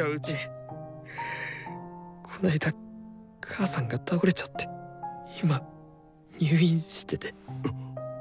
この間母さんが倒れちゃって今入院してて。